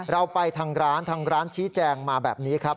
เราไปทางร้านทางร้านชี้แจงมาแบบนี้ครับ